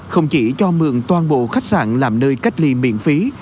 không chỉ cho mượn toàn bộ khách sạn làm nơi cách ly miễn phí